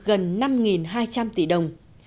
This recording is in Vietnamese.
gần năm hai trăm linh tỷ đồng